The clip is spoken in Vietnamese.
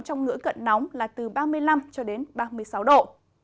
trong ngưỡng cận nóng là từ ba mươi năm ba mươi sáu độ